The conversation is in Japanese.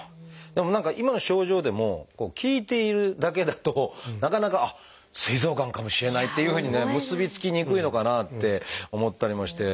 でも何か今の症状でも聞いているだけだとなかなか「あっすい臓がんかもしれない」っていうふうにね結び付きにくいのかなって思ったりもして。